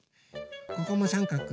ここもさんかく。